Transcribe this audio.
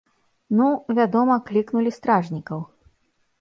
Ну, вядома, клікнулі стражнікаў.